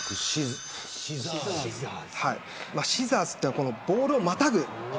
シザーズというのはボールをまたぐ。